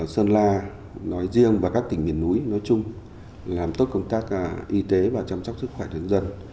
sơn la nói riêng và các tỉnh miền núi nói chung làm tốt công tác y tế và chăm sóc sức khỏe nhân dân